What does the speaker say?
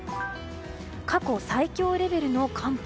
過去最強レベルの寒波。